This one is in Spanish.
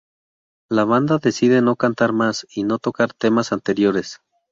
La banda decide no cantar más y no tocar temas anteriores.